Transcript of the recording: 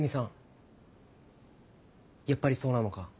やっぱりそうなのか？